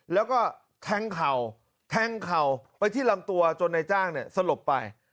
แล้วก็แท้งเข่าแท้งเข่าไปที่หลังตัวจนในจ้างสลบไป